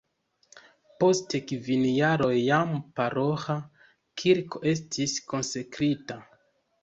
Post kvin jaroj jam paroĥa kirko estis konsekrita.